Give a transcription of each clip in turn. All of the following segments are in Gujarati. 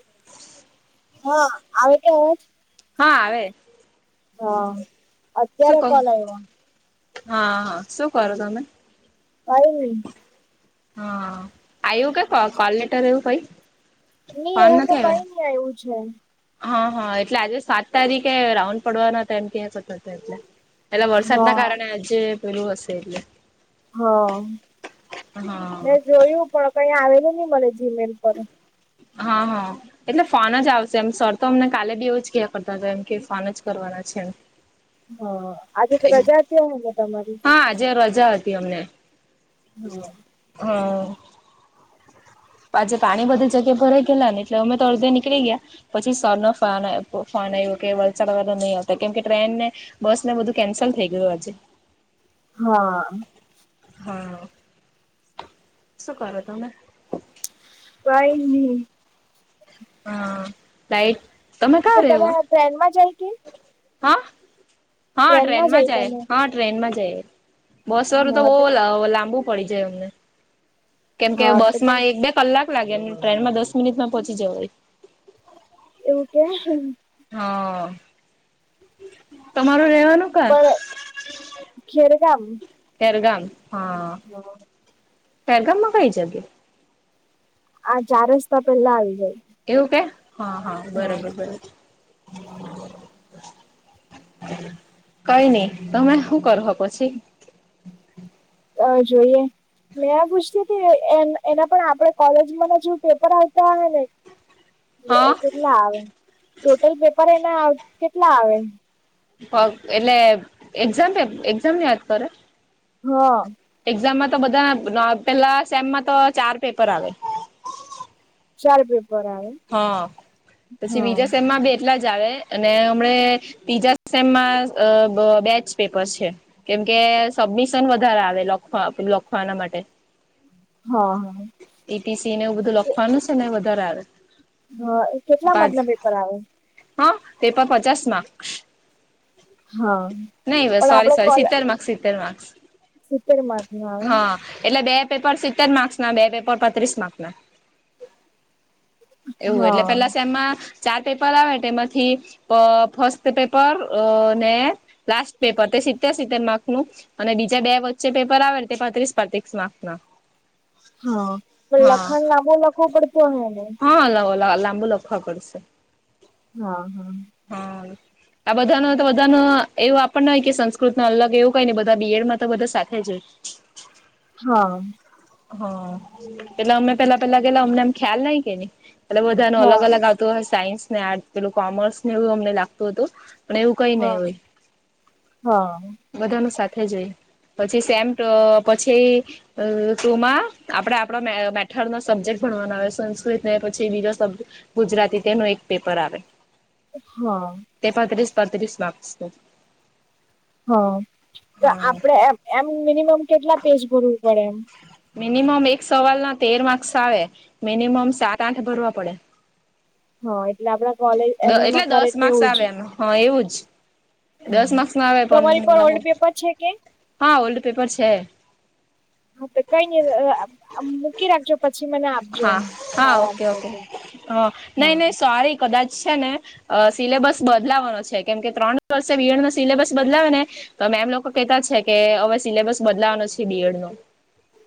[inaudible] હા આવે તો અવાજ. હા આવે. હા શું અત્યારે કહું કોણ આઈવા. હા હા શું કરો તમે. કઈ ન હ આઈું કે કોલલેટરવું કઈ નઈ ફોન એવું તો નથી આવ્યો કઈ ને નહ આવું છે હા હા એટલે આજે સાત તારીખે રાઉન્ડ પડવાનો એમ ક્યાંતો હતો એટલે એટલા વરસાદના હા કારણે આજે પેલું હશે એટલે હા હા મેં જોયું પણ કઈ આવેલું નહી મને જીમેલ પર હા હા એટલે ફોન જ આવશે એમ સર તો અમને કાલે બી એવું જ ક કરતા હતા એમ કે ફોન જ કરવાના છે એમ હા આજે તો રજા ત્યાં હોય ને તમારી હા હાજર રજા પ અમને હમ હા પાછજે પાણી બધી જગ્યા ભરાઈ ગેલા ને એટલે અમે અડધે નીકળી ગયા પછી સર ન ફ ફ આવ્યો કે વલસા નહી આવતા કેમ કે ટ્રેન ને બસ ને બધું કેન્સલ થઈ ગયું આજે હા હા શું કરો તમે કઈ નહી હા લઈટ તો તમે ટ્રેનમાં જાય કે હા હા ટ્રેનમાં જાય હા ટ્રેન માં જઈ બસ વાળું તો બહુ લાંબુ પડી જાય અમને કેમ કે હા તો બસ પણ માં એક બે કલાક લાગે ટ્રેનમાં દસ મિનિટમાં પોહોંચી જવય એવું કે હા તમારું રવાનું કા પણ ખેરગામ એરગામ હા હ પેગમાં કઈ જગે આ ચાર રસ્તા પેલા આવી જાય એવું કે હા હા બરોબરર કઈ નહી તમે શું કરો પછી અ જોઈએ મેં પૂછતી હતી એ એના પણ આપણે કોલેજ ના પેપર આવતા હ ને હા કેટલા આવે ટોટલ પેપર એના કેટલા આવે પગ એટલે એક્ઝામ કે એક્ઝામ ની વાત કરે હા એક્ઝામમાં તો બધા પેલા સેમમાં તો ચાર પેપર આવે ચાર પેપર આવે હ પછી હા બીજા સમા બ એટલા જ આવે અને હમ તીજામમાં બેચ પેપર છે કેમકે સબમિશન વધારે આવે લખવા લખવાના માટે હા હા ટીસીને એવું બધું લખવાનું છે ને વધારે આવે હા એ કેટલા મત પાંચ ના પેપર આવે હા પેપર પચાસ માર્ક્સ હા નહી બસ પણ સોરી આપડે સોરી કોલ સીતેર માર્ક્સ સિતેર માર્ક્સ સિત્તેર માર્ક નું આવે હા એટલે બે પેપર સિત્તેર માર્ક્સ ના બે પેપર બત્રીસ માર્ક ના એવું એટલે હા પેલા સેમ માં ચાર પેપર આવે એટલે એમાંથી ફસ્ટ પેપર અ ને લાસ્ટ પેપર તે સીતેર સીતેર માર્કનું અને બીજા બે વચ્ચે પેપર આવે તે પાત્રીસ પાંત્રીસ માર્ક્સ ના હા પણ હા લખાણ લાંબો લખવો પડતું હે ને હા લાબુ લખવું ખબર છે. હા હા. હમ્મ. આ બધાનો તો બધા નુ એવું આપણને હોય કે સંસ્કૃત નું અલગ એવું કઈ ને બધા બીએડમાં તો બધા સાથે જ હોય હા. હ એટલે અમે પેલા પેલા ગએલા કે અમને એમ ખ્યાલ નઈ કેને એટલે બધા નુ હા અલગ અલગ આવતું હો સાયન્સ ને આર્ટસ પેલું કોમર્સ ને એવું અમને લાગતું હતું અને એવું કઈ હા નહી હોય. હા હા બધા નુ સાથે જઈ પછી સેમ પછી અ તોમાં આપણે આપો મેથર ના સબ્જેક્ટ ભણવાનો આવે સંસ્કૃત ને પછી બીજો સબ્જેક્ટ ગુજરાતી તેનો એક પેપર આવે હા. તે પાંત્રીસ પાંત્રીસ માર્ક્સ ના હ તો હા આપડે એમ એમ મિનિમમ કેટલા પેજ ભરવું પડે એમ મિનિમમ એક સવાલ ના તેર માર્ક્સ આવે મિનિમમ સાત આઠ ભરવા પડે હા એટલે આપડા કોલેજ એમ એટલે એમાં કરે દસ માર્ક્સ તેવું જ આવે એમ હા એવું જ હા દસ માર્ક્સમાં આવે તમારી પર ઓલ્ડ પણ પેપર છે કે હા ઓલ્ડ પેપર છે હા તો કઈ નહિ મૂકી રાખજે પછી મને આ હા હા ઓકે ઓકે હ હા નહી નહી સોરી કદાચ છે ને અ સિલેબસ બદલાવાનો છે કેમ કે ત્રણ વર્ષે બીએડનો સિલેબસ બદલાવે ને તો મેમ લોકો કેતા છે કે હવે સિલેબસ બદલાવાનો છે બીએડ નો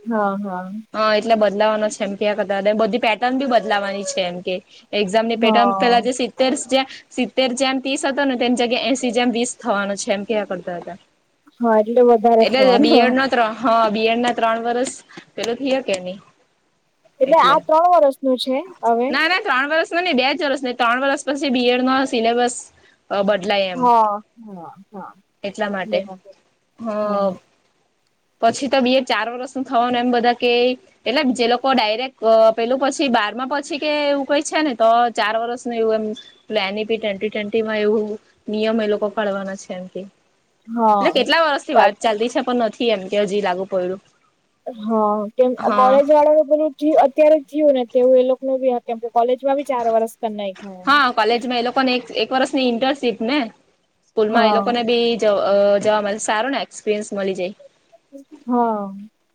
હા હા. હા એટલે બદલાવાનો છે એમ કે આ કદાચ બધી પેટર્ન બી બદલાવાની છે એમ કે એક્ઝામ ની પેટમ હા પેલા જે સિત્તેરસ જે સિત્તેર જેમ ત્રીસ હતો ને તેમની જગ્યા એસી જેમ વીસ થવાનો છે એમ કેવા કરતા હતા. હા એટલે વધારે એટલે થવાનું બીએડ નો ત્ર હ બીએડ ના ત્રણ વરસ પેલું થિયા કે નહી એટલે આ ત્રણ વર્ષનું છે હવે ના ના ત્રણ વરષ નઈ બે જ વર્ષ ત્રણ વરષ પછી બીએડ માં સિલેબસ અ બદલાય એમ હા હા હા એટલા માટે બરાબર હ હા પછી તો બી ચાર વર્ષ નું થવાનું એમ બધા કે એટલે જે લોકો પણ ડાયરેક્ટ પેલું પછી બારમાં પછી કે એવું કઈ છે ને તો ચાર વર્ષ એવું એમ પ્લાની પી ટ્વેન્ટી ટ્વેન્ટી માં એવું નિયમ એ લોકો પાળવાના છે એમ કે એટલે હા કેટલા વરષથી વાત ચાલતી છે પણ નથી એમ કે હજી લાગુ પડયુ હા કેમ કોલેજ વાળા બધું જ્યું અત્યારે જયું તેવું એ લોકો નુ કેમ કે, કોલેજમાં બી ચાર વર્ષ કન નાયખુ. હા કોલેજમાં એલોકોને એક-એક વર્ષની ઈન્ટર્નશીપ ને? સ્કૂલમાં એ હા લોકો ને બી જ અ જવા મલે સારું ને એક્સપિરિયન્સ મલી જાય હ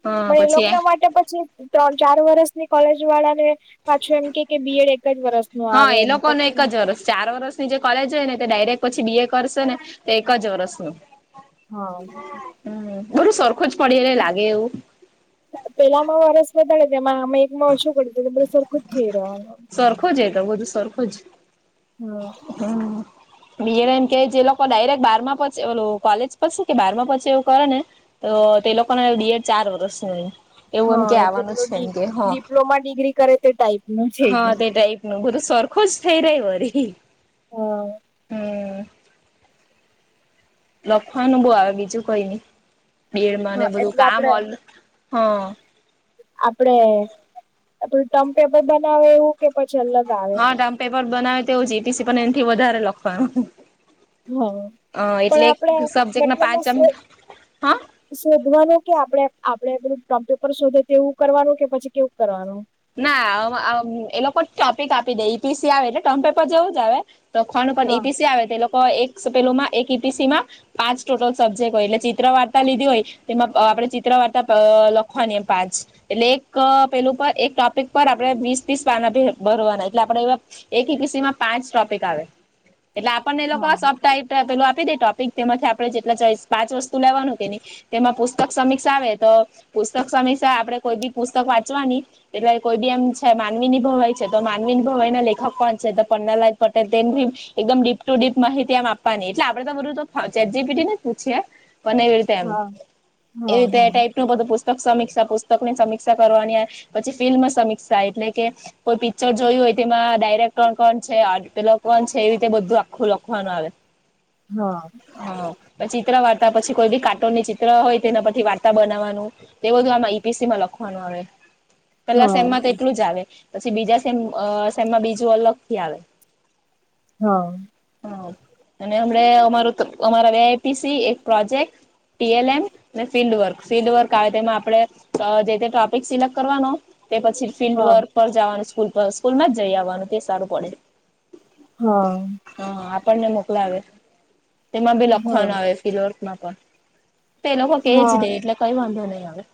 હા પણ એલોક પછી ના માટે પછી ત્રણ ચાર વર્ષની કોલેજ વાળા ને પાછું એમ કેય કે બી એડ એક જ વરસનુ હા એ લોકોને એક જ વરસ ચાર વરસ જે, કોલેજ હોય ને તે ડાયરેક્ટ પછી બી. એ કરશે ને તે એક જ વર્ષનું. હ હમ, બઘુ સરખુ જ પડી રેય લાગે એવું- પેલામાં વરસ વધારે તેમાં અમે- માં ઓછુ પડી ગેયુ અમણા સરખું જ થેઈ રેવાનુ, સરખું જ એ તો બધું સરખું જ હા, હમ, બી. એડ એમ કે જે લોકો ડાયરેક્ટ બારમાં પછી ઓલુ કોલેજ પછી કે, બારમાં પછી એવું કરે ને- તો તેલોકો ને બી. એડ ચાર વર્ષનુ એવું, એમ કેય આવવાનું છે એમ કેય, હ ડીપ્લોમા ડિગ્રી કરે તે ટાઈપ- નું થઈ હા, ગયું તે ટાઈપનું બધું સરખુ જ થે રેય વરી- હ, હમ લખવાનું બો આવે બીજું કઈ ની બી. એડમાંને હા બધું એટલે કામ આપડે ઓલ, હ આપડે, આપડું ટમ્પ પેપર બનાવે એવું કે પછી અલગ- આવે હા, ડમ્પ પેપર બનાવે તેવું જ જી. ટી. સી પણ એનથી વધારે લખવાનું. હા અ પણ એટલે આપડે ક સબ્જેક્ટ ના મતલબમાં પાંચમ, શો હ! શોધવાનું કે આપડે- આપડે પેલુ ટમ્પ પેપર શોધે તેવું કરવાનું કે પછી કેવું કરવાનું. ના, અ મા એલોકો ટોપિક આપી દેય ઈ. પી. સી આવે એટલે ટર્મ પેપર જેવું જ આવે. લખવાનું પણ, ઈ. હા પી. સી આવે તેલોકો એકસ પેલુમાં એક ઈ. પી. સી માં- પાંચ ટોટલ સબ્જેક્ટ હોય, એટલે ચિત્ર વાર્તા લીધી હોય. તેમાં અ આપણે ચિત્ર વાર્તા અ લખવાની એ પાંચ એટલે એક પેલું પર એક- ટોપિક પર આપણે વીસ, તીસ પાના ભર ભરવાના એટલે આપણે એવા એક ઈ. પી. સીમાં પાંચ ટોપિક આવે- એટલે આપણને એલોકો હા સ- ટાઈપના પેલું આપી દેય ટોપિક તેમાંથી આપણે જેટલા ચોઈસ પાંચ વસ્તુ લેવાનું કેની- તેમાં પુસ્તક સમીક્ષા આવે તો, પુસ્તક સમીક્ષા આપણે કોઈ બી પુસ્તક વાંચવાની- એટલે કોઈ બી એમ છે, માનવીની ભવાઈ છે તો, માનવીની ભવાઈના લેખક કોણ છે, તો પન્નાલાલ પટેલ તેને ભી. એકદમ ડીપ ટુ ડીપ માહિતી એમ આપવાની એટલે આપડે તો, બધું તો, ચેટ જીપીટી ને જ પુછયે અને તેમ, હા હા એતે તેટાઈપનું બધું પુસ્તક સમીક્ષા પુસ્તકની સમીક્ષા કરવાની આવ પછી, ફિલ્મ સમીક્ષા એટલે કે- કોઈ પિક્ચર જોયું ઓય તેમાં ડાયરેક્ટણ કોણ છે, આ પેલો કોણ છે, એ રીતે બધું આખું લખવાનું આવે- [unintelligible] [inaudible] હ, હ, પચિત્ર વાર્તા પછી કોઈ બી કાર્ટૂનની ચિત્ર હોય તેના પરથી વાર્તા બનાવાનું- એ બધું આમાં ઈ. પી. સી માં લખવાનું આવે પેલા હા સેમમાં તો એટલું જ આવે- પછી, બીજા સેમ અ સેમમાં બીજું અલગથી આવે- હ, હ, અને અમણે અમારુ, અમારા સે ઈ. પી. સી એક પ્રોજેક્ટ ટી એલ એમ ને ફિલ્ડ વર્ક, ફિલ્ડ વર્ક, આવે તેમાં આપણે જે ટોપિક સિલેક્ટ- કરવાનો તે પછી ફિલ્ડ હા વર્ક- પર જાવાનું સ્કૂલ પર સ્કૂલમાં જ જઈ આવવાનું તે સારું પડે- હ, હ, આપણને મોકલાવે તેમાં બી હા લખવાનું આવે ફિલવર્કમાં પણ- તો એ લોકો કેજ દેય એટલે કઈ વાંધો નહીં આવે-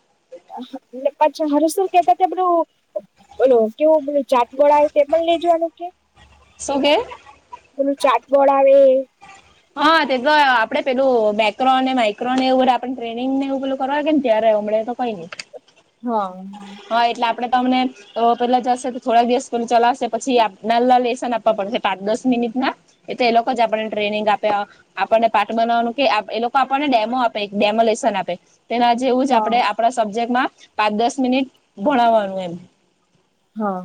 પછા, હરસુ કેતાતા આપણુ- બોલો, કેવું પેલુ ચાટબોર્ડ આવે તે પણ લેજવાનું કે? શુ કે પેલું ચાટ બોર્ડ આવે હા તે તો આપડે પેલું મેક્રોને માઇક્રો ને એવું બધ આપણે ટ્રેનિંગને એવું પેલું કરવાય કે ને ત્યારે હમે- હો ન હા હા એટલે આપણે ત અમને- તો પેલા જશે તો થોડા દિવસ પે ચલાશે પછી નાલના લેસન આપવા પડશે પાંચ દસ મિનિટ ના એ તો એ લોકો જ આપણને ટ્રેનિંગ આપે આપણને પાટ બનાવાનું કે એ લોકો આપણને ડેમો આપે ડેમો લેશન આપે તેના જેવું જ હા આપડે આપણા સબ્જેક્ટમાં પાંચ દસ મિનિટ ભણાવવાનું એમ હા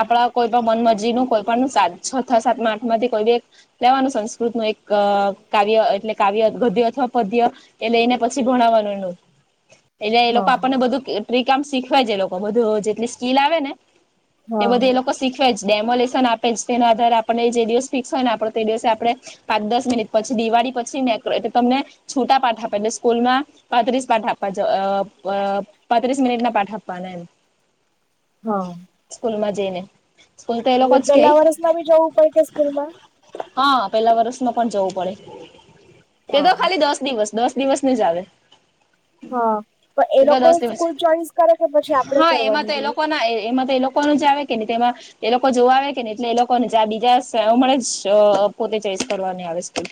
આપડા કોઈ પણ મન મરજી નું કોઈ પણ સાત છ સાતમાં આઠ માંથી કોઈ બી લેવાનું સંસ્કૃત નું એક કાવ્ય એટલે કાવ્ય ગદ્ય અથવા પદ્ય એ લઈને પછી ભણાવવાનું ન. એટલે એ લોકો હા આપણને બધું ટ્રીકામ શીખવાય છે એ લોકો બધું જેટલી સ્કીલ આવે ને એ હા બધે એ લોકો શીખવા જ ડેમોલેશન આપે જ તેનો આધારે આપણે જે દિવસ ફિક્સ હોય ને આપડ તે દિવસે આપડણે પાંચ દસ મિનિટ પછી દિવાળી પછી મેટલે તમને છૂટા પાઠ આપે એટલે સ્કૂલમાં પાંત્રીસ પાઠ આપવા પાંત્રીસ મિનિટ ના પાઠ આપવાના એમ હા સ્કૂલમાં જઈને સ્કૂલ તો એ લોકો એટલે જ કે પેલા વર્ષમાં બી જવું પડે કે સ્કૂલ માં? હા પેલા વર્સમાં પણ જવું પડે એ હા તો ખાલી દસ દિવસ દસ દિવસ ને જ આવે. હા પણ એ લોકો દસ દિવસ સ્કૂલ ચોઈસ કરે કે પછી આપડે હા એમાં તો કરવાની એ રહી લોકો ના એમાં તો એ લોકો કોનું જ આવે કે નહી તેમાં એ લોકો જોવા આવે કે ને એટલે એ લોકોને જ બીજા મળે જ પોતે ચોઈસ કરવાની આવે સ્કૂલ.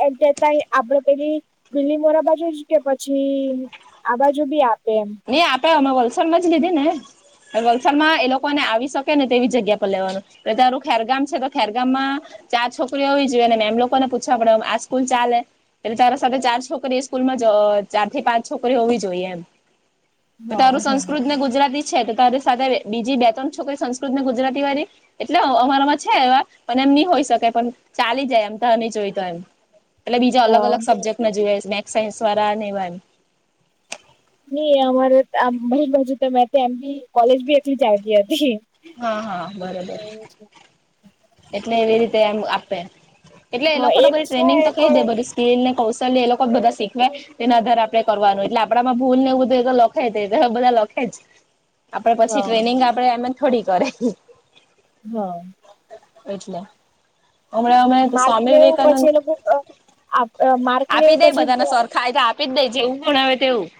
આપડે પેલી બીલીમોરા બાજુ કે પછી આ બાજુ બી આપે એમ નઈ આપ્યા મે વલસાડમાં જ લીધી ને વલસાડમાં એ લોકોને આવી શકે ને તેવી જગ્યા પર લેવાનું. તારું ખેરગામ છે તો ખેરગામમાં ચાર છોકરીઓ હોવી જોઈએ ને મેમ લોકોને પૂછવા પડે આ સ્કૂલ ચાલે એટલે ચારા સાથે ચાર છોકરી સ્કૂલમાં ચાર થી પાંચ છોકરીઓ હોવી જોઈએ એમ. તો હા તારું હા સંસ્કૃત ને ગુજરાતી છે તો તારી સાથે બીજી બે ત્રણ છોકરી સંસ્કૃત ને ગુજરાતી વાળી એટલે અમારામાં છે એવા પણ એમ નહી હોય શક પણ ચાલી જાય એમ તો ન જોય તો એમ એટલે બીજા અલગ હા અલ સબ્જેક્ટમાં જોઈ મેથસ સાયન્સ વાળાને એવા ન અમારે અમારી બાજુ તમે એમ બી કોલેજ બી એકલી ચાલતી હતી. હા હા બરોબર એટલે એવી રીતે એમ આપે એટલે એ હા લોકોને એક બધી છે ટ્રેનિંગ તો કહી દે પણ બધ ને કૌશલ્ય એ લોકો જ બધા શીખવે એના આધારે આપડે કરવાનું એટલે આપણામાં ભૂલ ને એવ બધું લખાય છે બધા લખે આપડે પછી હા ટ્રેનિંગ આપડે એમ થોડી કરે. હા એટલે હમણા અમે માર્ક સ્વામી ને એવું પછી એ લોકો વિવેકાનંદ આપ માર્ક ને આપી એવું દઈ પછી બધાના સ્ ફાયદા આપી જ દઈ જેવું પણ હ તેવું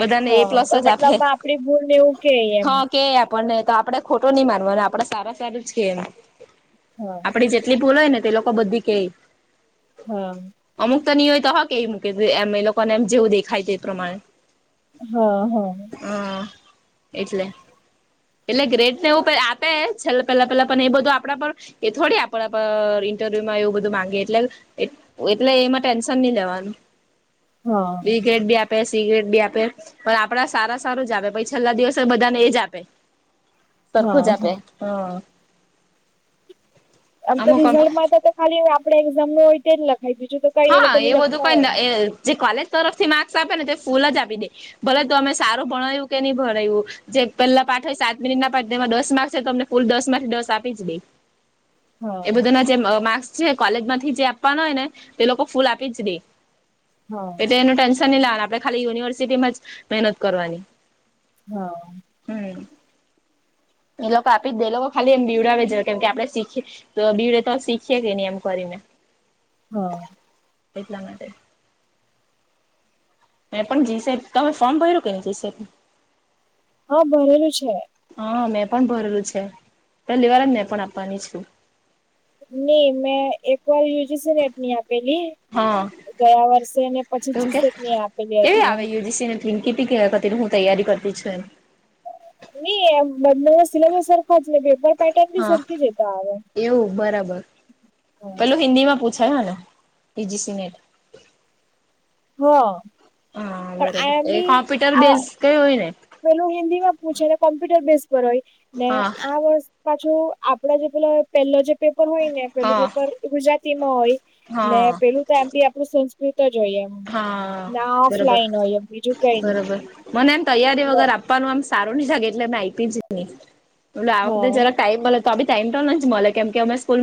બધાને એ હા પ્લસ પણ જ આપે મતલબમાં આપડી ભૂલ ને એવું કે એમ હા કે આપે પણ ને તો આપડણે ખોટો નહી માનવા અને આપડે સારા સારું જ કે એ હા આપડી જેટલી ભૂલો હોય ને તે લોકો બધી કેય. હા અમુક તો નિ હોય તો હ કે એ મૂકે એમ એ લોકોને એમ જેવું દેખાય તો એ પ્રમાણે હા હા હમ એટલે એટલે ગ્રેટ ને એવ આપે છેલ્ પેલા પેલા પણ એ બધું આપ આપ પર એ થોડી આપણા ઇન્ટરવ્યુમાં એવું બધું માંગીએ એટલે એટલે એમાં ટેન્શન નહી લેવાનું હા બી ગ આપે સિગરેટ બી આપે પણ આપડા સારા સારું જ આપે પછ છેલ્લા દિવસે બધા ને એ જ આપે સરખું જ હા આપે હમ આમ તો અમુક રિઝલ્ટમાં તો તો ખાલી આપડે એક્ઝામ નું હોય તે જ લખી દીજું હા એ બધું કઈને જે કોલેજ તરફ થી માર્ક્સ આપે ને તો ફૂલ જ આપી દે ભલે તો અમે સારું ભણય્યું કે નહી ભણ્યું જે પહેલા પાઠ હોય સાત મિનિટ ના પાઠ તેમાં દસ માર્ક છે તો અમને ફૂલ દસ માર્થી દસ આપી જ દઈ હા એ બધા ના જે માર્ક્સ છે કોલેજ માંથી જે આપવાના હોય ને એ લોકો ફૂલ આપી જ દે હા એટ એનું ટેન્શન નહી લાવવાનું આપડે ખાલી યુનિવર્સિટીમાં જ મહેનત કરવાની હા હમ એ લોકો આપી જ એ લોકો ખાલી એમ બીવડાવી જ કેમ કે આપણે શીખી તો બીડે તો શીખીએ કે નહી એમ કરીને હા એટલા માટે મે પણ જી સાહેબ તમે ફોર્મ ભર્યું કે ન જી સાહેબ હા ભરેલું છે હા મેં પણ ભરેલું છે પહેલી વાર મેં પણ આપવાની છું નહી મેં એક વાર યુજીસી ટની આપેલી હા ગયા વર્ષે ને પછી તું જીસેટ આપેલી હતી કેટલી ક હું તૈયારી કરતી છું એમ એ મ સલો સરપ ખા જ બે હા એવું બરાબર પેલું હિન્દી માં પૂછ છે અને એઇજીી સિમેન્ટ હ હા બરોબર એ કોમ્પ્યુટર આ બેઝ કઈ હોય ને પેલું હિન્દી માં પૂછે ને કોમ્પ્યુટર બેઝ પર હોય ને હા આ વર્ પાછું આપડા જે પેલા પેલો જે પેપર હોય ને પેલું હા પેપર ગુજરાતી માં હોય ને હા પેલું તો એમી આપડું સંસ્કૃત જ હોઈએ એમ હા ના બરોબર ઓફલાઈન હોયમ બીજું કઈ નઈ બરોબર મને એમ તૈયારી વગર આપવાનું એમ સારું નહ જાગે એટલે આઈપી જ એટલે આ વખતે હા જરા ટાઈમ મળે તો આ બી ટાઈમ તો નથી મળે કેમ કે અમે સ્કૂલ